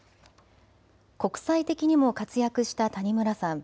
国際的にも活躍した谷村さん。